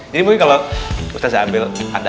jadi mungkin kalau ustadz ambil ada apa dengan hatinya